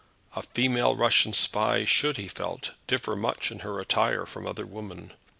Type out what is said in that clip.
A female Russian spy should, he felt, differ much in her attire from other women.